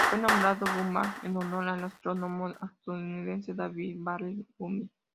Fue nombrado Dunham en honor al astrónomo estadounidense David Waring Dunham.